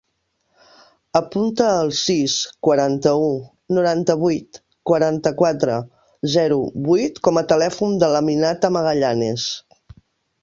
Apunta el sis, quaranta-u, noranta-vuit, quaranta-quatre, zero, vuit com a telèfon de l'Aminata Magallanes.